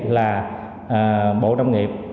là bộ đồng nghiệp